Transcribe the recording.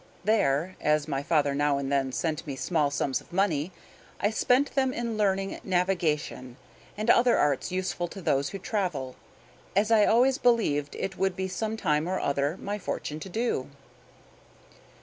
There, as my father now and then sent me small sums of money, I spent them in learning navigation, and other arts useful to those who travel, as I always believed it would be some time or other my fortune to do.